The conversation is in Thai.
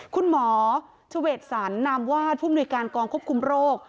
คุณหมอเทวดสารนำว่าผู้มนุษยากองควบคุมโรค